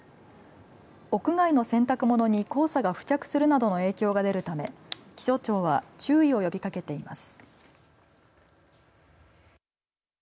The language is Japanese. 屋外の洗濯物に黄砂が付着するなどの影響が出るため気象庁は注意を呼びかけています。